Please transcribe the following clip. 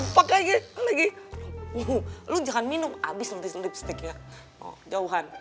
pakai lagi lu jangan minum habis lipstick jauhan